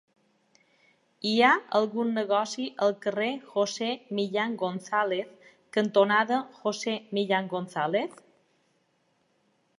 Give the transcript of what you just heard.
Hi ha algun negoci al carrer José Millán González cantonada José Millán González?